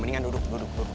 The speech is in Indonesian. mendingan duduk duduk duduk